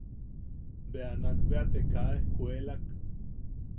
Bea... nak bea te kaa ejkuelak.